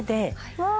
うわ！